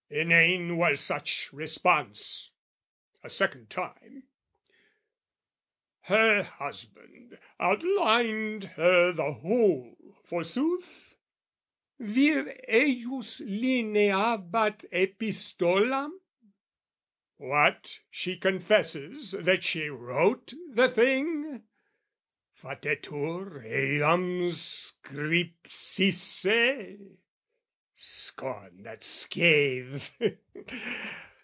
Inane were such response! (a second time:) Her husband outlined her the whole, forsooth? Vir ejus lineabat epistolam? What, she confesses that she wrote the thing, Fatetur eam scripsisse, (scorn that scathes!)